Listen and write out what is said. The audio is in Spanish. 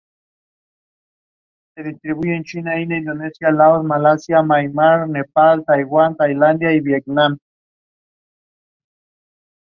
Su nombre es Sindarin y puede traducirse como "Puño Real".